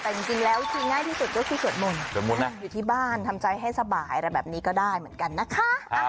แต่จริงแล้วที่ง่ายที่สุดก็คือสวดมนต์สวดมนต์อยู่ที่บ้านทำใจให้สบายอะไรแบบนี้ก็ได้เหมือนกันนะคะ